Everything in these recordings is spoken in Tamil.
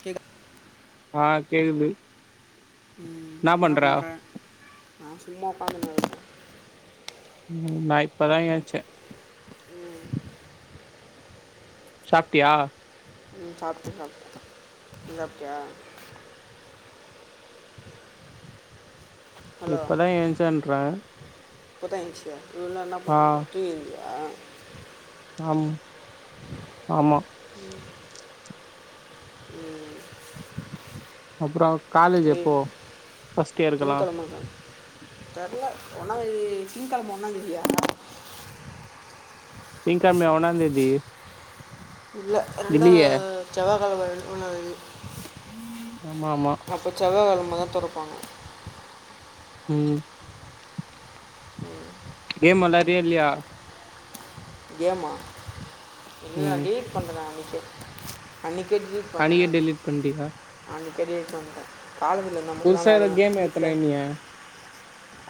கேக் [inaudible] ஆ கேக்குது ம் என்னா பன்ற நா சும்மா உக்காந்துனுருந்தே ம் நா இப்பதா ஏந்ச்சே ம் சாப்ட்டியா ம் சாப்டே சாப்டே நீ சாப்ட்டியா இப்பதான் ஏந்சன்ற இப்பதா ஏந்ச்சியா இவ்லோ நேரோ என்னாப் பன் ஆ [unintelligible] ஆம் ஆமா [inaudible] உம் அப்புறோ காலேஜ் எப்போ ஃபர்ஸ்ட் இயருக்கெல்லாம் தெர்ல ஒன்னா தேதி திங்கெழம ஒன்னாந்தேதியா திங்கெழமையா ஒன்னாந்தேதி இல்ல ரெண்டா இல்லியே செவ்வாக்கெழம ஒன்னாந்தேதி ஆமா ஆமா அப்போ செவ்வாகெழம தா தொரப்பாங்க உம் கேம் வெலயாரியா இல்லியா கேமா இல்ல ம் டிலீட் பன்னிடே அன்னிக்கே அன்னிக்கே டெலீட் அன்னிக்கே பண்ணேனா டெலீட் பண்ட்டியா அன்னிக்கே டெலீட் பண்ணிடே காலஜ்ல புதுசா எதோ கேம் ஏத்துனனியே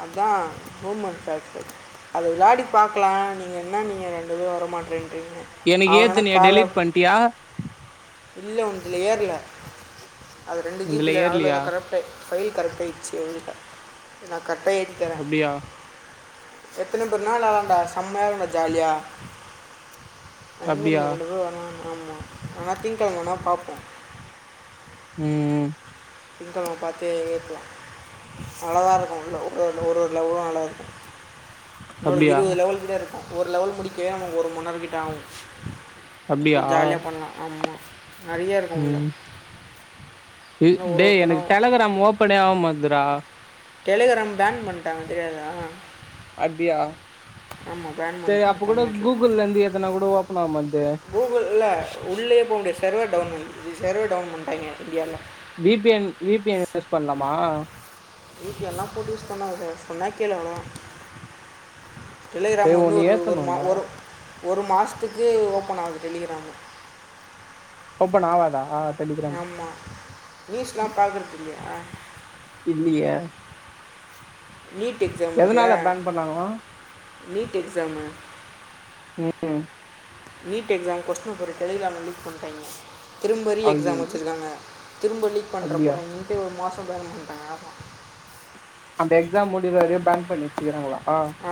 அதா போமாட்டது அது தா நீ பாக்கலா நீங்க என்ன நீ வெளையாடவு வரமாட்டேன்றுங்க எனக்கு ஏத்துனியே டெலீட் பண்ட்டியா இல்ல ஒன்துல ஏர்ல அது ரெண்டு இதுல ஜிபியில அதுல ஏறலியா ஏதோ கனப்டா ஃபைல் கரெப்ட் ஆயிடுச்சு உன்ட நா கரெக்டா ஏத்திதறேன் அப்டியா எத்தனபேர்னா வெலையாலான்டா செம்மையா இருக்குண்டா ஜாலியா அண்ண தம்பி அப்டியா ரெண்டு பேரு வருவாங்க ஆமா ஆனா திங்கெழம வேனா பாப்போம் உம் திங்கெழம பாத்து ஏத்தலா நல்லாதா இருக்கு உள்ள ஒரு ஒவ்வொரு லெவளும் நல்லா இருக்கு இன்னு அப்டியா இருபது லெவல் கிட்ட இருக்கும் ஒரு லெவல் முடிக்கவே அவனுக்கு ஒரு மன்னேரோ கிட்ட ஆவு அப்டியா ஜாலியா பண்லா ஆமா நறைய இருக்கும் உள்ள ம் இ இன்னும் ஒரு டே எனக்கு ஒருத்தனும் டெலகிராம் ஓப்பனே ஆக மாட்துடா டெலகிராம் பேன் பண்டாங்க தெரியாதா அப்டியா ஆமாம் பேன் சேரி பண்ணிட்டாங்க அப்ப கூட தமிழ்நாட்டில் கூகுள்லந்து ஏத்தனா கூட ஓப்பனாகமாட்தே கூகுள் இல்ல உள்ளயே போம்முடியா செர்வர் டவுன் செர்வர் டவுன் பண்டாங்கே இந்தியாவில விபிஎன் விபிஎன் யூஸ் பண்ணலாமா வீபிஎன்லா போட்டு யுஸ் பன்னாத சொன்னா கேளு அவ்ளோதா டெலிகிராம் டேய் வந்து ஒன்னு ஒரு ஒரு ஏத்தணுன்டா ஒரு ஒரு மாசத்துக்கு ஓப்பன் ஆகுது டெலிகிராமு ஒப்பன் ஆவதா ஆமா நியூஸ்ல்லாம் பாக்குறதில்லையா இல்லியே நீட் எக்ஸாம் இருக்குல எதனால பேன் பண்ணாங்களா நீட் எக்ஸாமு உம் ம் நீட்க்ஸாம் கொஸ்டின் போர் டலிகிராமில்லீ் பண்ணிட்டா்ங்க திரும்ப ரீ எக்ஸாம் ஐயையோ வச்சுருக்காங்க திரும்ப லக் அப்டியா பண்ணுறப்புறம் இங்கிட்டே ஒரு மாதம் வேர மாண்ணாங்க ஆான் அந்த எக்ஸாம் முடி வரையும் பேங்க் பண்ணி வச்சுக்கிறாங்களா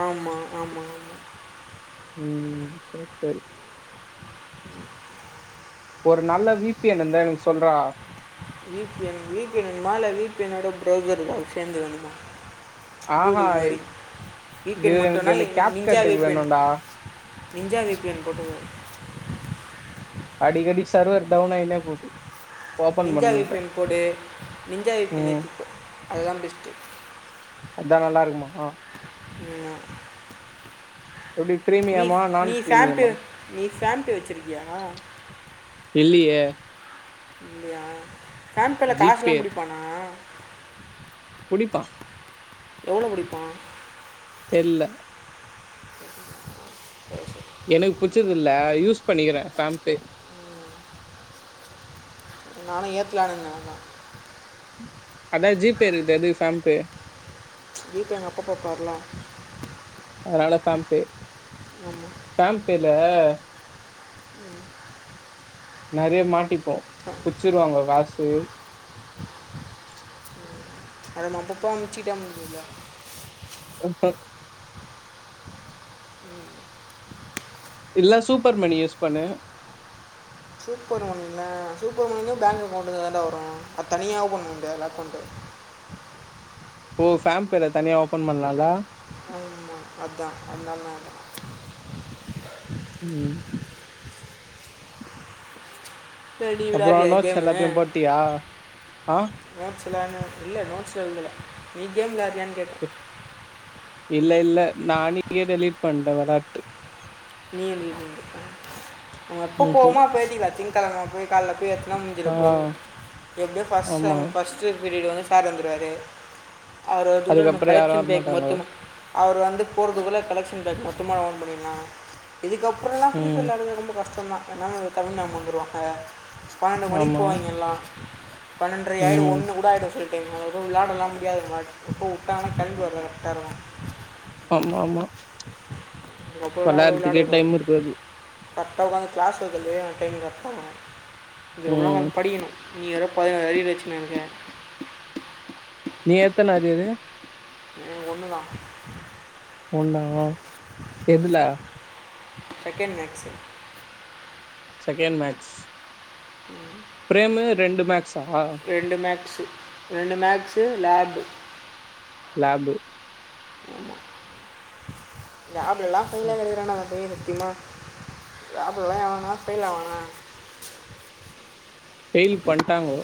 ஆமாம் ஆமாம் ம் செரி செரி ம் ஒரு நல்ல வி பி என் இருந்தா எனக் சொல்றா V P N V P N வேணுமா இல்ல வி பி என்விட ப்ரௌசர் சேந்து வேணுமா ஆஹா கூகுள் மாரி வி பி இது என் எனக்கு மட்டும்னா எனக்கு கேப் நிஞ்சா வி கட்டுக்கு பி என் வேணுன்டா நிஞ்சா வி பி என் போட்டுகோ அடி கடி சர்வர் டவுனாய்னே போது ஓப்பன் பண்ண நிஞ்சா வி முடில பி என் போடு நிஞ்சா வி பி என் ம் ஏத்திகோ அதுதா பெஸ்ட்டு அதா நல்லாருக்குமா ஆமா எப்டி ப்ரீமியமா நான் நீ ஃபேம்பே ப்ரீமியமா நீ ஃபேம் பே வெச்சுருக்கியா இல்லியே இல்லியா ஃபேம் பேல காசுலா ஜிபே புடிப்பானா புடிப்பா எவ்ளோ புடிப்பா தெர்ல எனக் புடிச்சது இல்ல யூஸ் பண்ணிக்கிறே ஃபேம் பே நானு ஏத்துலான் இருந்த அத்தா அதா ஜி பே இருக்குது எதுக் ஃபேம் பே வீட்டு எங்க அப்பாப் பாப்பாருல அதுனால ஃபேம் பே ஆமாம் ஃபேம் பேல நறைய மாட்டிப்போ பிச்சிருவாங்க வாசு ஆமா அப்பப்பா அம்சிட்டே [inaudible] உன்ட இல்ல சூப்பர்மணி யூஸ் பண்ணு சூப்பர் மணினா சூப்பர் மணினா பேங்க் அக்கௌண்ட்டுக்குதான்டா வரு அதுதனியா ஓபன் பண்ண முடியாதுல அக்கௌண்ட்டு ஓ ஃபேம் பேல தனியா ஓபன் பண்லால ஆமா அத்தா அத்னாலதா கேட்ட ம் இப்ப நீ அப்றோ விளாட்றியா நோட்ஸ் கேம்மு எல்லாத்தையு போட்டியா ஆ நோட்ஸலா என்ன இல்ல நோட்ஸ் எழுதுல நீ கேம் விளாயாட்னியான் கேட்ட இல்ல இல்ல நா அனிக்கே டெலீட் பண்ட வெளாட்டு நீ எ எப்போ ம்ஹூம் போவோமோ அப்ப ஏத்திக்கலா திங்கெழம போய் கால்ல போய் ஏத்தனா முடிஞ்சிர ஆ போது எப்டியோ ஃபஸ்ட் ஆமா டைம் ஃபஸ்ட் [unintelligible] பீரியடு வந்து சார் வந்துருவாரு அவருகூட நம்ம அதுக்கப்றோ யாரு கலெக்ஷன் பேக் வரமாட்டாங்க மொத்தமு அவரு வந்து போறதுக்குள்ள கலெக்ஷன் பே மொத்தமா ஓன் பண்ணிடலா இதுக்கப்புறலா ஃப்ரீ ஃபயர் ம் வெளாட்றது ரொம்ப கஷ்டோதா எனா தமிழ் மேம் வந்துருவாங்க பன்னெண்டு மணிக்கு ஆமா போவாய்ங்கெல்லா பன்னெரை ஆய்டு ம் ஒன்னுகூட ஆய்டு சில டைம் அது விளாடல்லா முடியாது உன்னால எப்போ உட்டாங்கனா கெளம்பி வர கரெக்டா இருக்கு ஆமா ஆமா வெளாட்த்துக்கே கரெக்டா உக்காந்து க்ளாஸ் வெக்கறதே டைம் கரெக்டா இருக்கு இதுக் அப்றோ ம் நம்ம படிக்கணு நீ வேற பதினாறு அரியர் வெச்சுனு இருக்க நீ எத்தன அரியரு இது ஒன்னு தா ஒன்னாக எதுல செகன்ட் மேக்ஸ்சு செகண்ட மேட்ஸ் ம் பிரேமு ரெண்டு மேக்ஸா ரெண்டு மேக்ஸு ரெண்டு மேக்ஸு லேபு லேபு ஆமா லேப்லா எல்லா ஃபெய்லா [unintelligible] சத்தியமா லேப்லா எல்லா எவன்னாது ஃபைல் ஆவானா ஃபெயில் பண்ட்டாங்கோ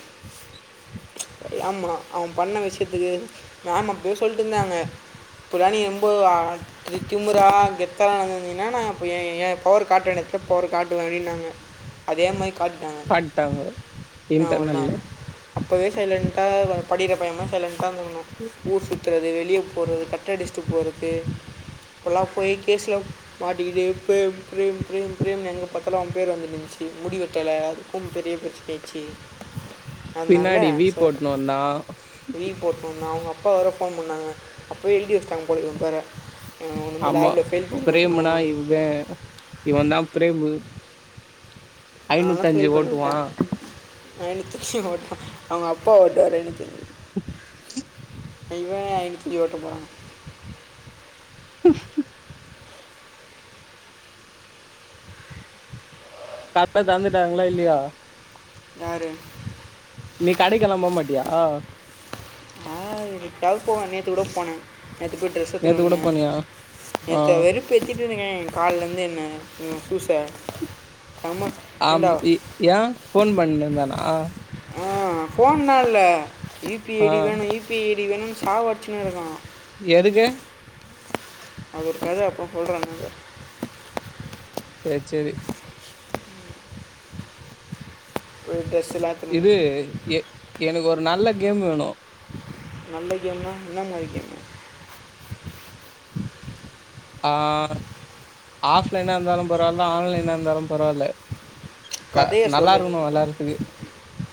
ஆமா அவன் பண்ண விஷயத்துக்கு மேம் அப்பவே சொல்ட்டு இருந்தாங்க புராணி [unintelligible] இது திமுரா கெத்தலா நடந்து வந்தீங்ன்னா நா அப்ப ஏ எ பவர் காட்ட வேண்டிய எடத்துல பவர காட்டுவே அப்டின்னாங்க அதே மாரி காட்டிட்டாங்க காட்டாங்கோ அவ்ளதா இன்டர்னல்ல அப்போவே சைலண்ட்டா படிக்கற பைய மாரி சைலண்ட்டா வந்துணு ஊர் சுத் த்துறது வெளியே போறது கட் அடிச்ட்டுக்கு போறது கொலாப் போய் கேஸ்ல மாட்டிகிட்டு பிரேம் பிரேம் பிரேம் பிரேம் எங்க பத்தல அவ பேர் வந்து இந்துச்சு முடி வெட்டல அதுக்கு பெரிய பிரச்சன ஆச்சு பின்னாடி வீ போட்ணு வந்தா வீ போட்டோனா அவங்க அப்பா வர ஃபோன் பண்ணாங்க அப்போவே எழுதி வச்ட்டாங்க போல இவே பேற அவன வந்து ஆமா லேபுல ஃபெயில் ய பண்ணி்விட்ற்ருனு பிரேமுனா இவ அப்டின்ட்டு இவந்தா பிரேமு அதனா ஐநூத்தஞ்சு ஃபெயில் பண்ணி ஓட்டுவா விட்டே [unintelligible] அவங்க அப்பா [unintelligible] இவே இட்லி ஓட்ட போறா கரெக்டா தந்துட்டாங்களா இல்லயா யாரு நீ கடைக்கெல்லா போமாட்டியா ஆ எனைகாவது போவே நேத்து கூட போனே நேத்து போய் ட்ரெஸ் எடுத்துணு நேத்து கூட வந்தே போனியா ஆ நேத்து வெருப் ப்பு எத்திட்டு இருக்கேங்க என் காலருந்து என்ன ம் சூச ஆமா ஆம் இ ஏ ஃபோன் பன்னுஇருந்தானா ஆ போன் நா இல யூ பி ஆ ஐடி வேணு யூ யூ பி ஐடி வேணுன்னு சாவ்அட்சுன்னு இருக்கா எதுக்கு அது ஒரு கத அப்ரோ சொல்ற என்னாங் சேர் சேரி ஒரு ட்ரெஸ்சிலா இது எ எனக்கு ஒரு நல்ல கேம் வேணு நல்ல கேம்னா என்ன மாரி கேம் ஆ ஆஃப்லைனா இருந்தாலு பரவால்ல ஆன்லைனா இருந்தாலும் பரவால்ல ப நல்லா இருக்குணு வெளாடுறத்துக்கு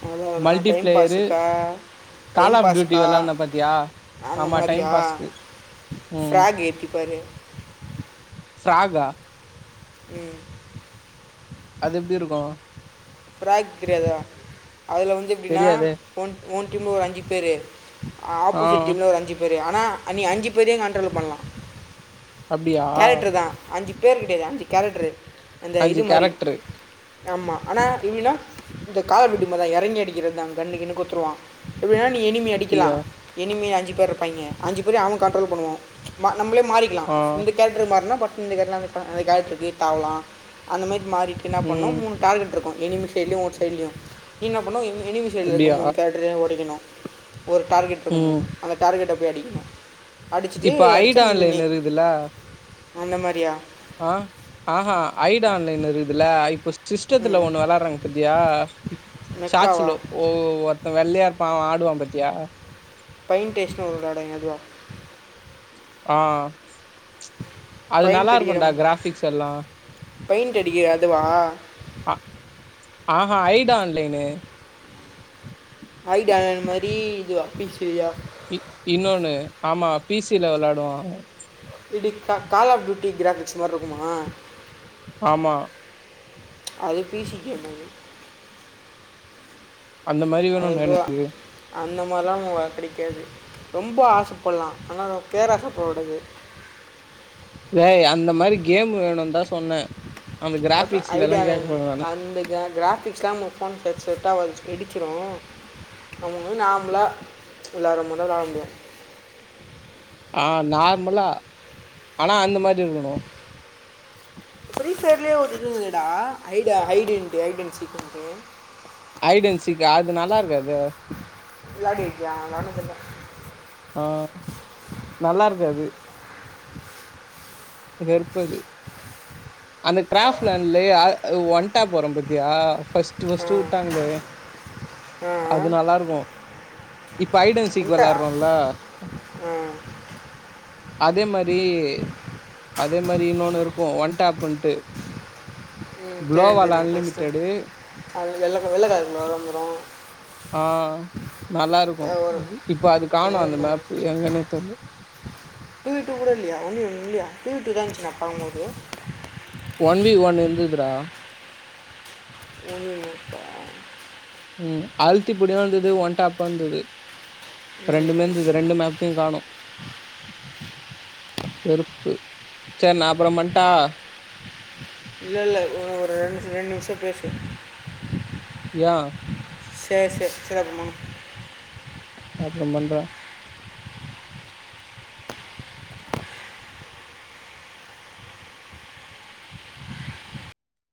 அதா என்ன டைம் பாஸுக்கா டைம் கால் ஆஃப் டியூட்டி பாஸுக்கா வெளாட்ன பாத்தியா அந்த ஆமா டைம் மாரியா பாஸ்க்கு ம் ஃப்ராக் ஏத்தி பாரு ஃப்ராகா ம் அது எப்டி இருக்கு ஃப்ராக் தெரியாதா அதுல வந்து அப்டின்னா தெரியாதே ஒன் ஒன் டீம்ல ஒரு அஞ்சு பேரு ஆ ஆப்போசிட் டீம்ல ஒரு அஞ்சு பெரு ஆனா நீ அஞ்சு பேரயு கண்ட்ரோல் பண்லா அப்டியா கேரக்டரு தா அஞ்சு பேரு கெடயாது அஞ்சு கேரக்டரு அந்த அஞ்சு இது மாரி கேரக்ட்ரு ஆமா ஆனா எப்டின்னா இந்த கால பட்டி மா தா எறங்கி அடிக்ற தா கண்ணு கின்னு குத்துருவா எப்டினா நீ எனிமி அடிக்லா அப்டியா எனிமியே அஞ்சு பேர் இருப்பாங்கே அஞ்சு பேரயு அவங்க கண்ட்ரோல் பண்ணுவோ மா நம்ளே மாறிக்லா ஆ கேரட்ரு மாறுனா ஃபஸ்ட் இந்த கேரட்ரு அந்த கே அந்த கேரட்ருக்கு தாவ்லா அந்த மாரி மாறிட்டு என்ன பண்ணு ம் மூனு டார்கெட் இருக்கு எனிமி சைட்ல்யு ஒ சைட்ல்யு நீ என்ன பண்ணு எனிமி எனிமி சைட்ல இருக்க அப்டியா மூனு கேரக்டரையோ ஒடைக்கணு ஒரு டார்கெட் இருக்கு ம் மூனு அந்த டார்கெட்ட போய் அடிக்கணு அடிச்சிட்டு அடிச்சா நீ வின்னு இதுல அந்த மாரியா ஆ ஆஹா ஐடா ஆன்லைன் இருக்குதுல இப்போ சிஸ்டத்துல ம் ஒன்னு விளாடுறாங்க பத்தியா மெக்காவா சாட்ஸ்லு ஒ ஒருத்த வெள்ளையா இருப்பா அவ ஆடுவா பாத்தியா ஃபைன் டேஷ்ட் ஒன்னு விளாடுவாங்க அதுவா ஆ அது நல்லா பெயிண்ட் அடிக்கிற இருக்குன்டா கிராபிக்ஸ் எல்லா பெயிண்ட் அடிக்கிற அதுவா ஆ ஆஹா ஐடா ஆன்லைனு ஐடா இது மாரி இதுவா பி சி யுயா இ இன்னொன்னு ஆமா பி சில விளாடுவாங்க இடி கா கால் ஆஃப் பீயூட்டி கிராபிகஸ் மார் இருக்குமா ஆமா அது பி சி ஹேமா இது அந்த மாரி வேணுன்டா அதுதான் எனக்கு அந்த மாரிலா வ கெடைக்காது ரொம்ப ஆசைப்பட்லா ஆனா கேராச பட கூடாது வேய் அந்த மாரி கேம் வேணுந்தா சொன்னே அந்த அதா கிராபிக்ஸ்ல எல்லா ஐடியா வேணு கேக்கல நானு அந்தக்க கிராபிக்ஸ் ஹமு போன்கு அது செட்டாவாது வெடிச்சிரு நம்பள மாரி நார்மலா விளாடுற மாரி தா விளாட முடியு ஆ நார்மலா ஆனா அந்த மாரி இருக்கணு ஃப்ரி ஃபையர்லே ஒரு இது இருக்குடா ஐடா ஐடன்டி ஐட் அன் சீக்குன்டு ஐடன் சிக்கா அது நல்லா இருக்காதே ஃபுல்லா கேட்டியா நல்லது இல்ல ஆ நல்லா இருக்காது வெறுப்பது அந்த டிராஃப் லைன்லயா ஒன் விட்டா போறோம் பாத்தியா ஃபர்ஸ்ட் ஆ ஃபர்ஸ்ட் உட்டாங்ளே ஆ அது நல்லா இருக்கும் இப்ப ஐடன் சீக்கு வந்துட்டா விளாடுறோம்ல ஆ அதே மாரி அதே மாரி இன்னொன்னு இருக்கும் ஒன்டாப்ன்ட்டு குளோவல் அன்லிமிட்டெடு அதுல வெள்ள கலர் வெள்ளைக்கலர் இருக்கனு வ வந்துடு ஆ நல்லாருக்கும் ஒரு இப்ப அது காணேம் அந்த மேப்பு எங்கனே தெர்ல டுவிட்டு கூட இல்லியா ஒண்ண ஒண்ணும் இல்லையா டுவிட்டு தான் இருந்துச்சு நா பாக்கும்போது ஒன் வி ஒன் இருந்ததுடா ஒன்லி மேப்பா ம் அழுத்திப்புடியாருந்தது ஒன்டாப்பாருந்தது இப்ப ரெண்டுமே இந்த ரெண்டு மேப்பையும் காணோ வெறுப்பு சேர் நா அப்றம் பண்ட்டா இல்ல இல்ல ஒரு ரெண்டு ரெண்டு நிமிஷம் பேசு யா சேர் சேர் சேரி அப்பறமா அப்பறம் பண்ற